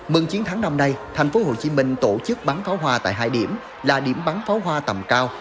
mừng chiến thắng năm nay thành phố hồ chí minh tổ chức bắn pháo hoa tại hai điểm là điểm bắn pháo hoa tầm cao